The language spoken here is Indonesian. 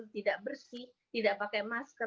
tidak bersih tidak pakai masker